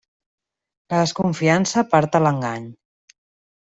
La desconfiança aparta l'engany.